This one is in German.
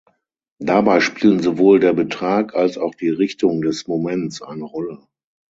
Dabei spielen sowohl der Betrag als auch die Richtung des Moments eine Rolle.